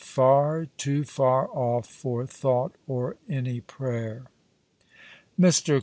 "'far, too far off for thought or any frayer." Mr.